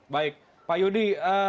baik pak yudi